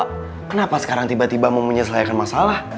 kenapa sekarang tiba tiba mau menyelesaikan masalah